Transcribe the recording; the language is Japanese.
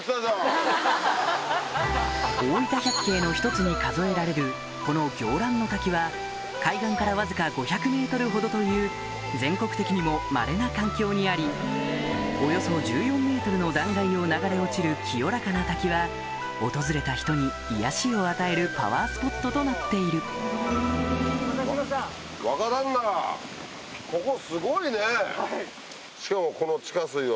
大分百景の１つに数えられるこの暁嵐の滝は海岸からわずか５００ｍほどという全国的にもまれな環境にありおよそ１４ｍの断崖を流れ落ちる清らかな滝は訪れた人に癒やしを与えるパワースポットとなっているなるほど。